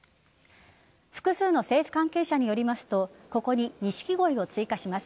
複数の政府関係者によりますとここにニシキゴイを追加します。